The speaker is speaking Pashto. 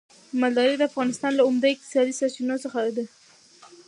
مالداري د افغانستان له عمده اقتصادي سرچينو څخه ده.